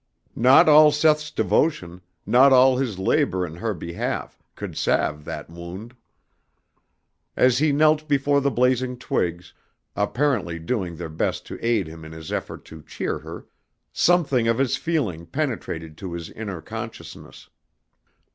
Not all Seth's devotion, not all his labor in her behalf could salve that wound. As he knelt before the blazing twigs, apparently doing their best to aid him in his effort to cheer her, something of this feeling penetrated to his inner consciousness.